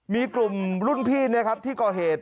มีกลุ่มรุ่นพี่เนี่ยครับที่ก่อเหตุ